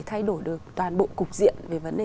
thay đổi được toàn bộ cục diện về vấn đề